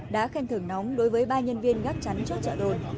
đã khen thưởng nóng đối với ba nhân viên gắt chắn chốt trợ đồn